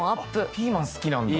ピーマン好きなんだ。